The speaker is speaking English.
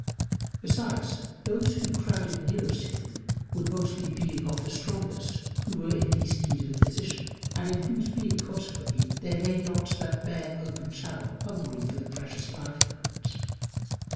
Besides, those who crowded nearest him would mostly be of the strongest who were least in need of a physician, and in whose being consequently there lay not that bare open channel hungering for the precious life current.